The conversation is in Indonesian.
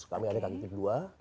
kami ada kaki kedua